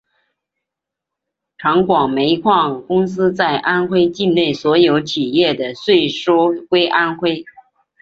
长广煤矿公司在安徽境内所有企业的税收归安徽。